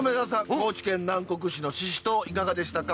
高知県南国市のししとういかがでしたか？